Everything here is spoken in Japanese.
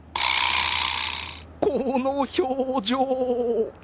この表情。